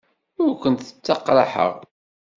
Ur kent-ttaqraḥeɣ.